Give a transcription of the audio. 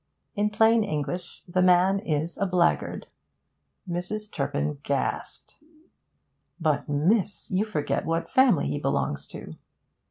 In plain English, the man is a blackguard.' Mrs. Turpin gasped. 'But, miss, you forget what family he belongs to.'